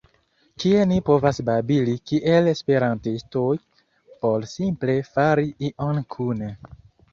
kie ni povas babili kiel esperantistoj por simple fari ion kune.